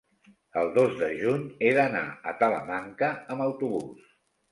el dos de juny he d'anar a Talamanca amb autobús.